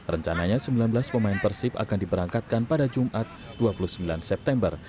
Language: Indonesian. rencananya sembilan belas pemain persib akan diberangkatkan pada jumat dua puluh sembilan september